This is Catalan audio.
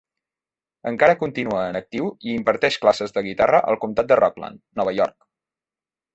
Encara continua en actiu i imparteix classes de guitarra al comtat de Rockland, Nova York.